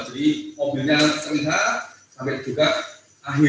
jadi robilnya terlihat sampai juga akhirnya nanti terlihat juga ketika masuk ke tol